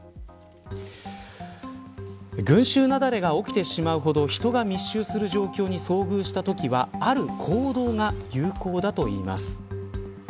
群衆雪崩が起きてしまうほど人が密集する状況に遭遇したときはある行動が有効だといいます。